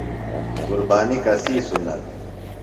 قربانیۡ کسی سُنت ؟